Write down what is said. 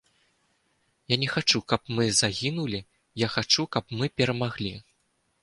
Я не хачу, каб мы загінулі, я хачу, каб мы перамаглі.